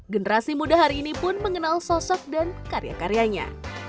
generasi muda hari ini pun mengenal sosok dan karya karyanya